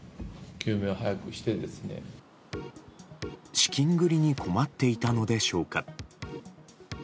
資金繰りに困っていたのでしょうか？